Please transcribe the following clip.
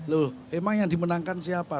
loh emang yang dimenangkan siapa